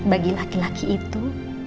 bagi laki laki itu